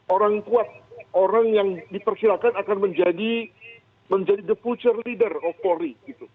orang kuat orang yang diperkirakan akan menjadi the future leader of polri